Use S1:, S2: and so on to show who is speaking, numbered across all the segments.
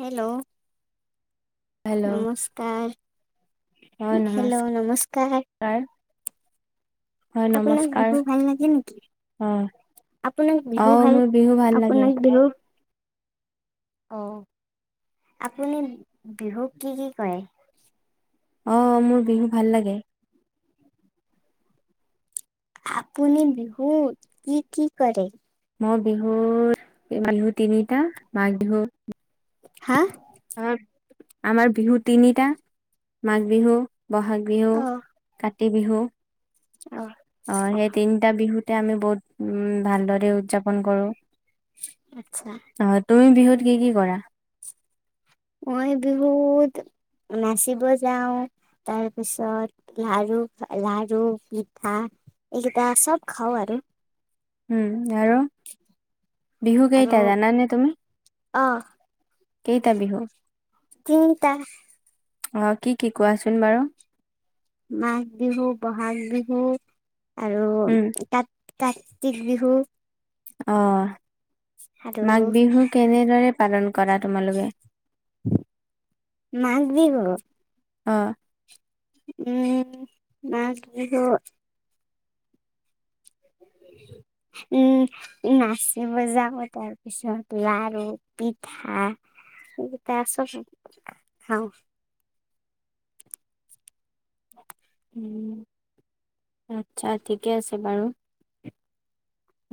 S1: Hello
S2: hello
S1: নমস্কাৰ।
S2: হয়
S1: hello
S2: নমস্কাৰ
S1: নমস্কাৰ।
S2: হয়
S1: আপোনোনাক
S2: নমস্কাৰ
S1: বিহু ভাল লাগে নেকি!
S2: অ
S1: আপোনাক
S2: অ
S1: বিহু ভাল
S2: মোৰ বিহু ভাল লাগে
S1: আপোনাক বিহু অহ। আপুনি বিহুক কি কি কৰে?
S2: অ মোৰ বিহু ভাল লাগে।
S1: আপুনি বিহুত কি কি কৰে।
S2: মই বিহুৰ বিহু তিনিটা মাঘ বিহু।
S1: হা।
S2: আমাৰ আমাৰ বিহু তিনিটা মাঘ বিহু, বহাগ বিহু,
S1: অ'
S2: কাতি। কাতি বিহু।
S1: অ'
S2: অহ
S1: অ'
S2: সেই তিনিটা বিহুতে আমি বহুত উ ভালদৰে উদযাপন কৰো।
S1: আচ্ছা
S2: তুমি বিহুত কি কি কৰা।
S1: মই বিহুত নাচিব যাওঁ। তাৰ পিছত লাৰু লাৰু পিঠা। এইকেইটা সব খাওঁ আৰু।
S2: উম আৰু বিহু
S1: আৰু
S2: কেইটা জানানে তুমি।
S1: অ'
S2: কেইটা বিহু
S1: তিনিটা।
S2: অ কি কি কোৱাচোন বাৰু।
S1: মাঘ বিহু, বহাগ বিহু আৰু
S2: উম
S1: তাত কাতিক বিহু।
S2: আহ
S1: আৰু
S2: মাঘ বিহু কেনেদৰে পালন কৰা তোমালোকে।
S1: মাঘ বিহু।
S2: অ।
S1: উম মাঘ বিহু। উ। [unintelligible] উম নাচিব যাওঁ তাৰ পিছত লাৰু পিঠা। সেইকেইটা আছো খাওঁ।
S2: উম আচ্ছা ঠিকে আছে বাৰু।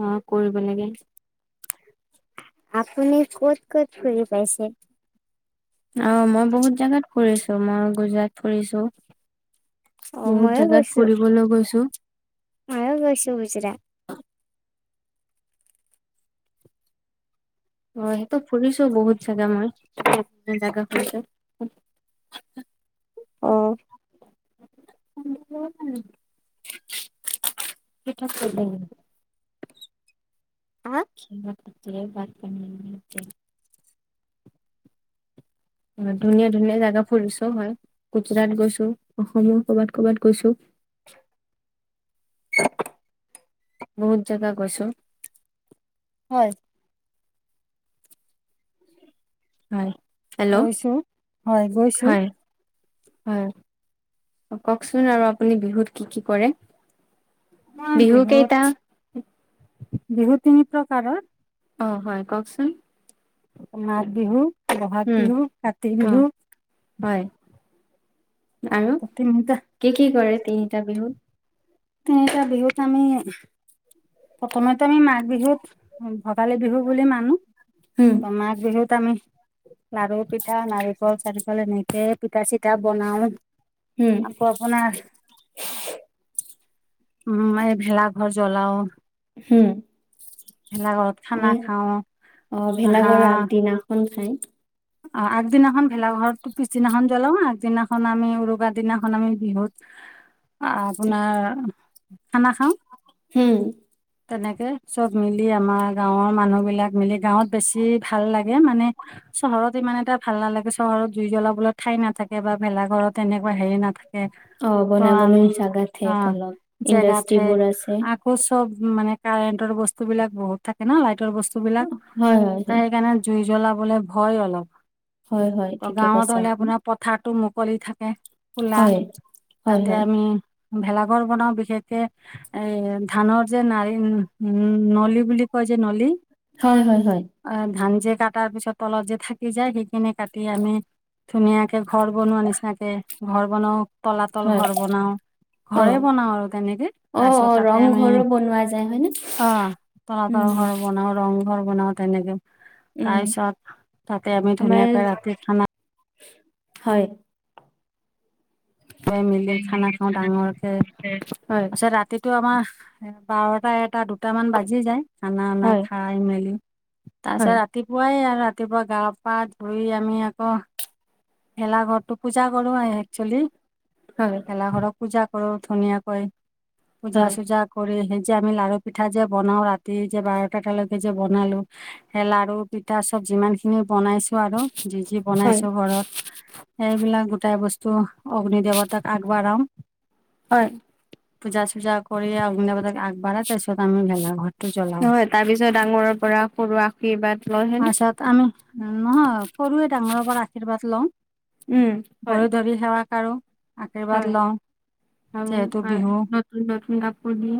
S2: অহ কৰিব লাগে।
S1: আপুনি ক'ত ক'ত ফুৰি পাইছে।
S2: আহ মই বহুত জাগাত ফুৰিছো মই গুজৰাট ফুৰিছো।
S1: অ
S2: বহুত জেগাত ফুৰিবলৈ গৈছো।
S1: মই গৈছো গুজৰাট।
S2: অ সেইটো ফুৰিছো। বহুত জোগা মই ফুৰিছো।
S1: অ।
S2: [unintelligible] ঠিক কৰিলে।
S1: হা
S2: ঘিলা পিথা বাদ পানেতে। ধুনীয়া ধুনীয়া জাগগা ফুৰিছো হয় গুজৰাট গৈছো অসমৰ ক'বাত ক'বাত গৈছো। [unintelligible] বহুত জেগা গৈছো।
S1: হয়।
S2: হয় হেল্ল'
S1: গৈছো হয় গৈছো
S2: হয়। হয় কওকচোন আৰু আপুনি বিহুত কি কি কৰে।
S1: আহ
S2: বিহু
S1: বিহুত
S2: কেইটা।
S1: বিহু তিনি প্ৰকাৰৰ।
S2: অ হয় কওকচোন।
S1: মাঘ বিহু বহাগ
S2: উম,
S1: বিহু কাতি
S2: হ
S1: বিহু।
S2: হয় আৰু
S1: তিনিটা
S2: কি কি কৰে তিনিটা বিহুত।
S1: তিনিটা বিহুত আমি প্ৰথমতে আমি মাঘ বিহুত। ভোগালী বিহু বুলি মানো
S2: হুম,
S1: তো মাঘ বিহুত আমি। লাৰু পিঠা নাৰিকল চাৰিকল এনেকে পিঠা চিঠা বনাও।
S2: হুম,
S1: আকৌ আপোনাৰ। উম এই ভেলাঘৰ জ্বলাও।
S2: হুম।
S1: ভেলাঘৰত খানা
S2: এনে
S1: খাওঁ
S2: অ ভেলাঘৰ আগদিনাখন খাই।
S1: অ আগদিনাখন ভেলাঘৰত পিছদিনাখন জ্বলাও আগদিনাখন আমি উৰুকা দিনাখন আমি বিহুত।
S2: [unintelligible]
S1: আপোনাৰ খানা খাওঁ।
S2: হুম।
S1: তেনেকে চব মিলি আমাৰ গাঁৱৰ মানুহ বিলাক মিলি গাঁৱত বেছি। ভাল লাগে মানে। চহৰত ইমান এটা ভাল নালাগে চহৰত জুই জ্বলাবলৈ ঠাই নাথাকে বা ভেলা ঘৰত তেনেকোৱা। কে হেৰি নাথাকে।
S2: অ'
S1: ত আমি
S2: বনাবলৈ জাগা
S1: অ
S2: ঠেক অলপ
S1: জেগাতহে
S2: ইণ্ডাষ্ট্ৰিবোৰ আছে।
S1: আকৌ চব। উম মানে কাৰেণ্টৰ বস্তু বিলাক বহুত থাকে ন লাইটৰ বস্তু বিলাক
S2: হয়, হয়,
S1: ত
S2: হয়,
S1: সেইকাৰণে জুই। জ্বলাবলে ভয় অলপ
S2: হয়, হয় ঠিকে
S1: গাওঁত
S2: কৈছে
S1: এনে
S2: আপুনি
S1: আপোনাৰ পথাৰতো। কৰি থাকে কোলা
S2: হয়, হয়,
S1: তাতে
S2: হয়,
S1: আমি। ভেলাঘৰ বনাও বিশেষকে এ ধানৰ যে নডি উম নলী বুলি কয় যে। যে নলি।
S2: হয় হয় হয়।
S1: অ', ধান কাটাৰ পিছত তলত যে থাকি যায় সেইখিনি কাটি আমি। ধুনীয়াকে ঘৰ বনোৱা নিচিনাকে ঘৰ বনাও তলাতল
S2: হয়
S1: ঘৰ বনাও। ঘৰে
S2: অ'।
S1: বনাও আৰু তেনেকে
S2: অ',
S1: তাৰপিছত
S2: অ'
S1: তাতে আমি
S2: ৰংঘৰো বনোৱা যায় হয়নে?
S1: অ তলাতল
S2: উম,
S1: ঘৰ বনা ৰং ঘৰ বনাও তেনেকে
S2: উম
S1: তাৰ পিছত তাতে আমি
S2: আমাৰ
S1: ধুনীয়াকৈ ৰাতি খানা।
S2: হয়
S1: চবেই মিলি খানা খাওঁ
S2: হয়,
S1: ডাঙৰকে
S2: হয়,
S1: তাৰছত ৰাতিটো আমাৰ এ বাৰটা এটা দুটামান বাজি যায় খানা অনা
S2: হয়,
S1: খাই মেলি তাৰপিছত
S2: হয়,
S1: ৰাতিপুৱাই আৰু ৰাতিপুৱা গা পা ধুই আমি আকৌ ভেলা ঘৰটো পূজা কৰো একচেলি
S2: হয়,
S1: ভেলাঘৰক পূজা কৰো ধুনীয়াকৈ পূজা চূজা কৰি সেই যে আমি লাৰু পিঠা যে বনাও ৰাতি যে বাৰট এতালৈকে যে বনালো সেই লাৰু পিঠা চব যিমান খিনি বনাইছো আৰু যি যি
S2: হয়,
S1: বনাইছো ঘৰত এইবিলাক গোটাই বস্তু অগ্নি দেৱতাক আগবঢ়াম
S2: হয়
S1: পূজা চূজা কৰি অগ্নি দেৱতাক আগ বতছত আমি ভেলা ঘৰটো জ্বলাও
S2: নহয় তাৰ পিছত ডাঙৰৰ পৰা সৰু আশীৰ্বাদ লয় হয়নে
S1: আচাত আমি নহয় সৰুৱে ডাঙৰৰ পৰা আশীৰ্বাদ লওঁ
S2: উম হয়
S1: ভৰি ধৰি সেৱা কাৰো আশীৰ্বাদ
S2: হয়
S1: লওঁ
S2: হ
S1: যিহেতু বিহু
S2: নতুন নতুন কাপোৰ দি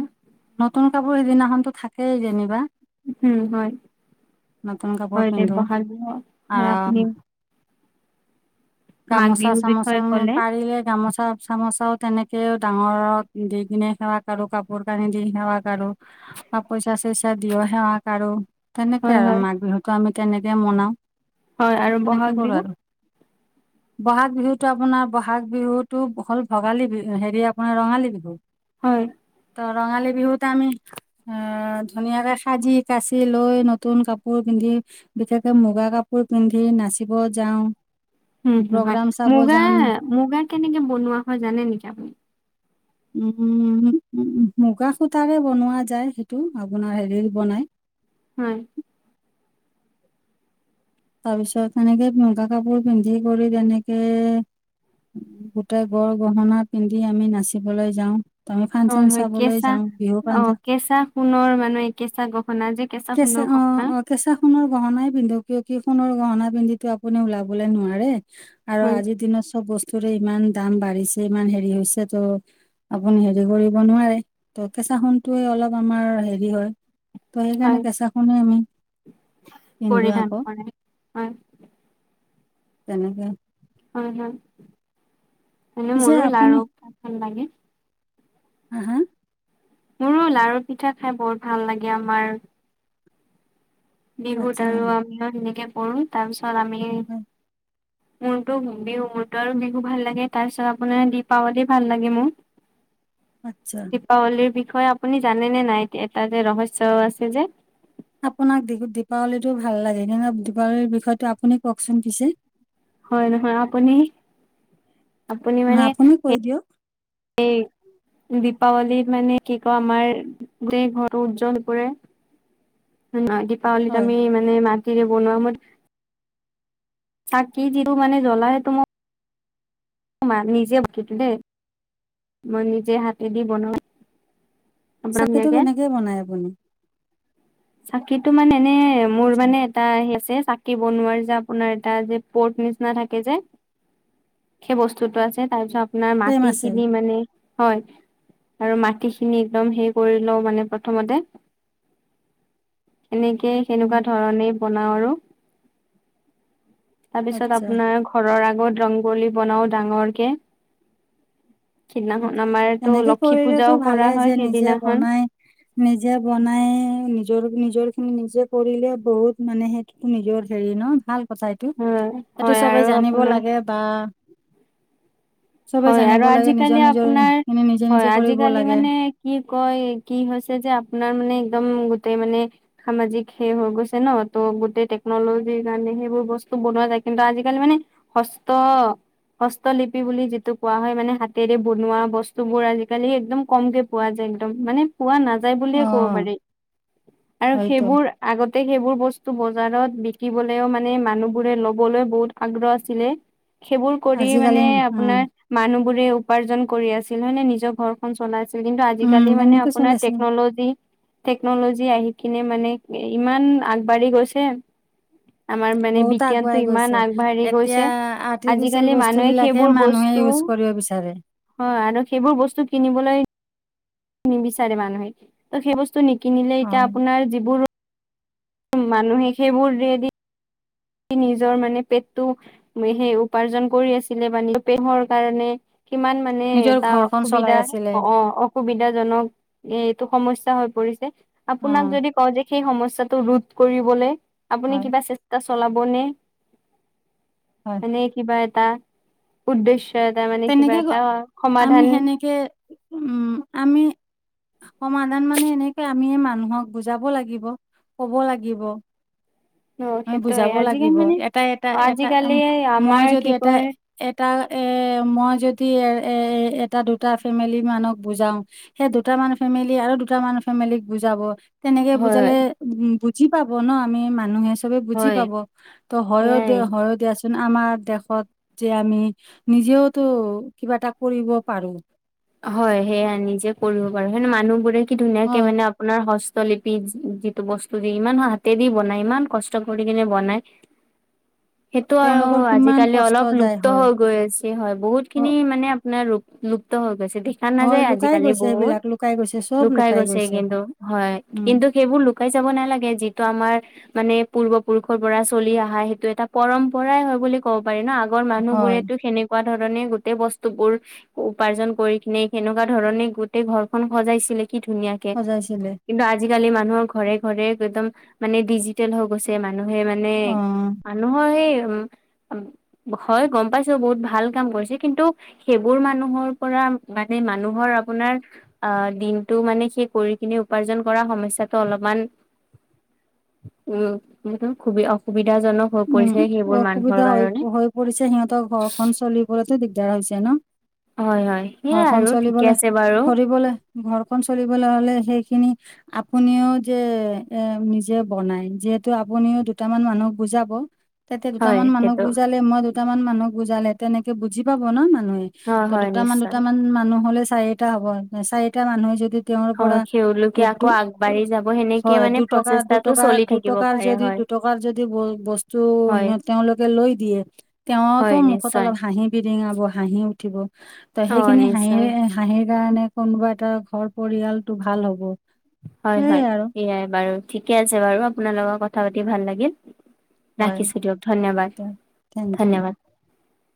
S1: নতুন কাপোৰ সিদিনাখনতো থাকেই যেনিবা।
S2: উম হয়
S1: নতুন
S2: হয়
S1: কাপোৰ
S2: দে
S1: পিন্ধো।
S2: বহাগ বিহু হয় আপুনি
S1: আ'
S2: মাঘ বিহুৰ
S1: গামোচা-চামোচাে
S2: বিষয়ে ক'লে
S1: পাৰিলে গামোচা। চা চামোচাও তেনেকে ডাঙৰক দি কিনে সেৱা কৰো কাপোৰ কানি দি সেৱা কৰো। বা পইচা চইচা দিও সেৱা কৰো। তেনেকে
S2: হয়
S1: আৰু
S2: হয়
S1: মাঘ বিহুতটো আমি তেনেকে মনাও।
S2: হয় আৰু
S1: তেনেকে
S2: বহাগ
S1: কৰো
S2: বিহু?
S1: আৰু বহাগ বিহুতো আপোনাৰ বহাগ বিহুতটো হ'ল ভোগালী বিহু হেৰি আপোনাৰ ৰঙালী বিহু।
S2: হয়।
S1: ত ৰঙালী বিহুত আমি অ ধুনীয়াকে সাজ-কাচি লৈ নতুন কাপোৰ পিন্ধি। বিশেষকে মুগা কাপোৰ পিন্ধি নাচিব যাওঁ।
S2: উম, হুম, হয়।
S1: প্ৰগ্ৰাম চাব
S2: মুগা,
S1: যাওঁ
S2: মুগা কেনেকে বনোৱা হয় জানে নেকি আপুনি?
S1: উম, উম, উম। মুগা সূতাৰে বনোৱা যায়, সেইটো আপোনাৰ হেৰি বনাই
S2: হয়।
S1: তাৰ পিছত সনেকে মুগা কাপোৰ পিন্ধি কৰি তেনেকে গোটেই গড়-গহনা পিন্ধি আমি নাচিবলৈ যাওঁ। আমি
S2: হয়,
S1: ফাংচন
S2: হয়।
S1: চাবলৈ
S2: কেঁচা
S1: যাওঁ বিহু
S2: অ
S1: ফাংচন
S2: কেঁচা সোণৰ মানে কেঁচা গহনা যে
S1: কেঁচা
S2: সোণৰ
S1: অ,
S2: গহনা
S1: অ কেঁচা সোণৰ গহনাই পিন্ধো। কিয় কি সোণৰ গহনা পিন্ধি আপুনি ওলাবলৈ নোৱাৰে। আৰু
S2: হয়
S1: আজিৰ দিনত চব বস্তু তৰে ইমান দাম বাঢ়িছে, ইমান হেৰি হৈছে তো আপুনি হেৰি কৰিব নোৱাৰে ত কেঁচা সোণটিয়ে অলপ আমাৰ হেৰি হয়। ত' সেইকাৰণে
S2: হয়
S1: চাখনে আমি পিন্ধো
S2: পৰিধান
S1: আকৌ।
S2: কৰে হয়
S1: তেনেকে।
S2: হয়, হয়। এনে
S1: পিছে
S2: মোৰো
S1: আপুনি
S2: লাৰুখন লাগে।
S1: হা, হা
S2: মোৰো লাৰু পিঠা খাই বহুত ভাল লাগে আমাৰ। বিহুত
S1: আচ্ছা
S2: আৰু
S1: হয়
S2: আমিও সেনেকে পঢ়ো তাৰপিছত আমি মোৰতো বিহু মোৰতো আৰু বিহু ভাল লাগে। তাৰপিছত আপোনাৰ দীপাৱলী ভাল লাগে মোৰ।
S1: আচ্ছা
S2: [unintelligible] দীপাৱলীৰ বিষয়ে আপুনি জানেনে নাই? এটা যে ৰহস্যও আছে যে-
S1: আপোনাক দীপাৱলীটো ভাল লাগে ন? দীপাৱলীৰ বিষয়টো আপুনি কওকচোন পিছে।
S2: হয়, নহয় আপুনি আপুনি মানে
S1: নহয়, আপুনি কৈ দিয়ক
S2: সেই [unintelligible] দীপাৱলীত মানে কি কওঁ আমাৰ যে ঘৰৰত উজ্জ্বল কৰে। নহয় দীপাৱলীত
S1: হয়
S2: আমি মানে মাটিৰে বনোৱা মত তাকি যিটো মানে জ্বলা তো মোক। মা নিজে বীতো দেই মই নিজে হাতে দি বনাওঁ [unintelligible] [unintelligible]
S1: চাকিটো কেনেকে বনাই আপুনি?
S2: চাকিটো মানে এনে মোৰ মানে এটা স আছে। [unintelligible] চাকি বনোৱাৰ যে আপোনাৰ এটা যে পৰ্ট নিচিনা থাকে যে। সেই বস্তুতো আছে। তাৰ পিছত আপোনাৰ
S1: ফ্লেম আছে
S2: মাটিখিনি মানে, হয় আৰু মাটিখিনি একদম হে কৰি লও মানে। প্ৰথমতে, [inaudible] এনেকেই সেনেকুৱা
S1: উম,
S2: ধৰণেই বনাওঁ আৰু। তাৰপিছত
S1: আচ্ছা
S2: আপোনাৰ ঘৰৰ আগত ৰংগলী বনাও ডাঙৰকে।
S1: আচ্ছা।
S2: সিদিনাখন আমাৰটো
S1: তেনেকে
S2: লক্ষী
S1: কৰিলেতো
S2: পূজাও
S1: ভালে
S2: কৰা
S1: যে
S2: হয়,
S1: নিজে
S2: সেইদিনাখন।
S1: বনাই নিজে বনাই নি? নিজ নিজৰ খিনি নিজে কৰিলে বহুত মানে সেইটো নিজৰ হেৰি ন ভাল। কথাইটো
S2: হয়
S1: সেইটো
S2: হয় আৰু
S1: চবেই জানিব
S2: আপোনাৰ
S1: লাগে বা চবে
S2: হয় আৰু
S1: জানিব লাগে নিজ
S2: আজিকালি আপোনাৰ হয় আজিকালি মানে কি কয় কি হৈছে যে আপোনাৰ মানে, একদম গোটেই মানে সামাজিক সেই হৈ গৈছে ন ত' গোটেই টেকনলজিৰ কাৰণে সেইবোৰ বস্তু, বনোৱা যায় কিন্তু আজিকালি মানে হস হস্তলিপি বুলি [unintelligible] পোৱা হয় মানে হাতেৰে বনোৱা বস্তু বোৰ আজিকালি একদম কমকে পোৱা যায় একদম মানে পোৱা নাযায়। কব
S1: অ',
S2: পাৰি আৰু
S1: হয়তো
S2: সেইবোৰ আগতেই- [unintelligible] সেইবোৰ বস্তু বজাৰত বিকিবলেও মানে মানুহবোৰে ল'বলৈ বহুত আগ্ৰহ আছিলে সেইবোৰ কৰি
S1: আজিকালি
S2: মানে
S1: উম,
S2: আপোনাৰ মানুহ বোৰে উপাৰ্জন কৰি আছিল হয় নে নিজৰ ঘৰখনন চলাইছিল। কিন্তু
S1: উম,
S2: আজিকালি মানে
S1: এনেকে চলি
S2: আপোনাৰ
S1: আছে
S2: তেকনলজী তেকনলিজী আহি [unintelligible] কিনে মানে ইমান আগবাঢ়ি গৈছে। আমাৰ মানে
S1: বহুত
S2: বিজ্ঞানতটো
S1: আগুৱাই গৈছে।
S2: ইমান আগবাঢ়ি
S1: এতিয়া
S2: গৈছে
S1: আৰ্টিফিচিয়েল
S2: আজিকালি
S1: বস্তু
S2: মানুহে
S1: বিলাকে
S2: সেইবোৰ
S1: মানুহে
S2: বস্তু
S1: ইউজ কৰিব বিচাৰে।
S2: হয় আৰু সেইবোৰ বস্তু কিনিবলৈ নিবিচাৰে মানুহে ত সেই বস্তু নিকিনিলে এতিয়া
S1: অ',
S2: আপোনাৰ যিবোৰ মানুহে সেইবোৰ দিদি নিজৰ মানে পেটটো সেই উপাৰ্জন কৰি আছিলে বানে পেহৰ কাৰণে [unintelligible] কিমান মানে
S1: নিজৰ
S2: তাৰ
S1: ঘৰখন চলাই
S2: অসুবিধা
S1: আছিলে
S2: অ অসুবিধাজনক এ এইটো সমস্যা হৈ পৰিছে
S1: অ',
S2: আপোনাক যদি কওঁ যে সেই সমস্যা টো ৰোধ কৰিবলে [unintelligible] আপুনি
S1: হয়,
S2: কিবা চেষ্টা চলাবনে
S1: হয়,
S2: মানে কিবা এ [unintelligible] তা উদ্দেশ্য [unintelligible] কিবা
S1: তেনেকে
S2: এটা
S1: আমি
S2: সমাধান
S1: সেনেকে উম আমি সমাধান মানে এনেকে আমিয়ে মানুহক বুজাব লাগিব কব লাগিব।
S2: অ
S1: আমি
S2: সেইটোয়ে
S1: বুজাব
S2: আজিকালি
S1: লাগিব
S2: মানে
S1: এটা এটা এটা উম,
S2: আজিকালি
S1: মই
S2: আমাৰ
S1: যদি
S2: কি
S1: এটা
S2: কয়। [inaudible]
S1: এটা এ মই যদি এ এ এটা দুটা ফেমিলি মানুক বুজাও সেই দুট মান ফেমিলি আৰু [unintelligible] দুটা মান ফেমিলি ক বুযাব তেনেকে
S2: হয়
S1: বোজালে বুজি পাব আমি মানুহে [unintelligible] চে বুজি
S2: হয়
S1: পাব ত
S2: সেয়াই
S1: হদিয় হ দিয় [unintelligible] ন আমাৰ দেশত যে আমি নিজেওতো কিবা এটা কৰিব পাৰো।
S2: হয় সেয়া নিজে কৰিব পাৰো স মানুহ বোৰে কি
S1: অ
S2: ধুনীয়াকে মানে আপোনাৰ চলিপি যিটো বস্তু দি ইমান হাতে দি বনায় ইমান কষ্ট কৰি কিনে বনায়। [inaudible] সেইটো আৰু
S1: তেওঁলোকৰ কিমান
S2: আজিকালি
S1: কষ্ট
S2: অলপ
S1: যায়
S2: লুপ্ত
S1: হয়
S2: হৈ গৈ আছে হয় বহুত
S1: অ,
S2: খিনি মানে আপোনাৰ লুপ্ত হৈ গৈছে দেখা
S1: হয়
S2: নাযায়
S1: লুকাই
S2: আজিকালি
S1: গৈছে
S2: বহুত।
S1: এইবিলাক লুকাই গৈছে চব
S2: লুকাই গৈছে কিন্তু হয়
S1: উম
S2: কিন্তু সেইবোৰ লুকাই যাব নালাগে যিটো আমাৰ। মানে পূৰ্বপুৰুষৰ পৰা চলি অহা সেইটো এটা পৰম্পৰাই হয় বুলি ক'ব, প ন আগৰ মানুহ
S1: হয়
S2: বোৰেতো সেনেকুৱা ধৰণে গোটেই বস্তু বোৰ উপাৰ্জন কৰি কিনে সেনেকুৱা ধৰণে গোটেই ঘৰখন সজাইছিলে কি ধুনীয়াকে
S1: সজাইছিলে
S2: কিন্তু আজি, আজিকালি মানুহৰ ঘৰে ঘৰে একদম মানে ডিজিটেল হৈ গৈছে ম মানুহে মানে
S1: অ
S2: মানুহৰ সেই উম হয় গম পাইছো বহুত ভাল কাম কৰিছে কিন্তু সেইবোৰ মানুহৰ মানে মানুহৰ আপোনাৰ অ দিনটো মানে সেই কৰি কিনে উপাৰ্জন কৰা সমস্যা টো অলপমান উ ম খুবি অসুবিধা
S1: উম অসুবিধা হৈ হৈ পৰিছে সিহঁতৰ ঘৰখন চলিবতো দিগদাৰ হৈছে ন!
S2: হয় হয় সেইয়াই
S1: ঘৰখন
S2: আৰু ঠিকে
S1: চলিবলৈ
S2: আছে বাৰু
S1: ফৰিবলে ঘৰখন চলিব। হলে সেইখিনি আপুনিও যে এ নিজে বনাই যিহেতু আপুনিও দুটামান মানুহক বুজা, তাতে
S2: হয়
S1: দুটামান মানুহক
S2: সেইটো
S1: বুজালে মই দুটামান মানুহক বুজালে তেনেকে বুজি পাব ন মান মানুে
S2: হয়
S1: ত
S2: হয়
S1: দুট মান
S2: নিশ্চয়
S1: দুটামান মানুহ হলে চাৰিটা হব চাৰিটা মানুহে যদি, তেওঁৰ
S2: হয়
S1: পৰা দু
S2: সেওঁলোকে
S1: দু
S2: আকৌ আগবাঢ়ি যাব সেনেকে
S1: হয়
S2: মানে
S1: দুটকা
S2: প্ৰচেষ্টাটো
S1: দুটকা
S2: চলি থাকিব
S1: দুটকাৰ
S2: পাৰে
S1: যদি,
S2: হয়
S1: টকাৰ যদি ব বস্ত টো
S2: হয়
S1: সিহঁত তেওঁলোকে লৈ দিয়ে, তেওঁ আকৌ
S2: হয়
S1: মুখত
S2: নিশ্চয়
S1: অলপ হাঁহি বিৰিঙাব হাঁহি, উথিব, ত
S2: অ
S1: সেইখিনি হাঁহি
S2: নিশ্চয়
S1: হাঁহি সেইকাৰণে কোনোবা এটা ঘৰ পৰিয়ালটো ভাল হ'ব।
S2: হয়
S1: সেইয়াই
S2: হয়,
S1: আৰু
S2: সেইয়াই বাৰু ঠিকে আছে বাৰু আপোনাৰ লগত কথা পাতি ভাল লাগিল।
S1: হয়
S2: ৰাখিছোঁ দিয়ক ধন্যবাদ।
S1: থেংক ইউ
S2: ধন্যবাদ।